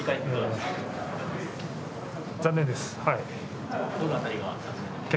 残念です。